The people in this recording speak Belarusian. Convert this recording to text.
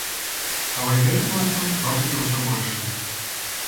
Але вось гэты планктон робіцца ўсё большым.